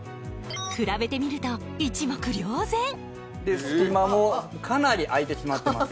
比べてみると一目瞭然隙間もかなり空いてしまってます。